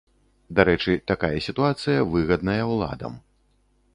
Дарэчы, такая сітуацыя выгадная ўладам.